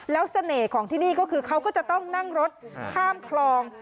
แล้วเสน่ห์ของที่นี่ก็คือเขาก็จะต้องนั่งรถข้ามคลอง